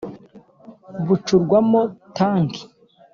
bucurwamo tanki,